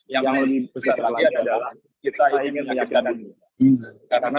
yang lebih besar lagi adalah kita ingin melihat ke dalam dunia